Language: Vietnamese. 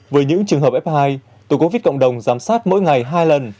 với những trường hợp f hai tổ covid cộng đồng giám sát mỗi ngày hai lần